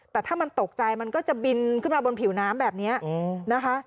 แต่ถ้ามันตกใจมันก็จะบินขึ้นมาบนผิวน้ำแบบนี้นะคะ